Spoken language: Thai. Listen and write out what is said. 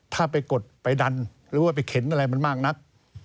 ถ้าไปกดไปดันหรือว่าไปเข็นอะไรมันมากนัก